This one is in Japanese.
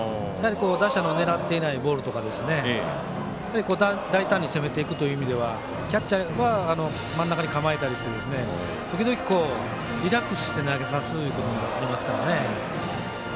打者の狙っていないボールややはり、大胆に攻めていくという意味ではキャッチャーは真ん中に構えたりして時々、リラックスさせて投げさせることもあります。